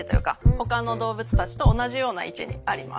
ほかの動物たちと同じような位置にあります。